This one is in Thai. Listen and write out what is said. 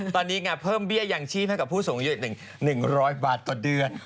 ตอนนี้เพิ่มเบี้ยยังชีพให้กับผู้สูงอายุ๑๐๐บาทต่อเดือน